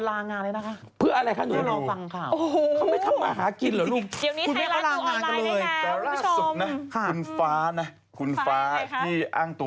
มีเพื่อนหนูบางคนลางงานเลยนะคะ